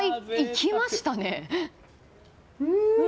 うん！